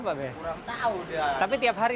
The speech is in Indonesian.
tapi ini datang setiap hari